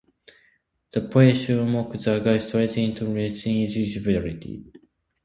The prisoners mocked the guards, trying to regain their individuality.